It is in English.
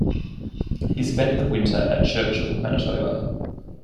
He spent the winter at Churchill, Manitoba.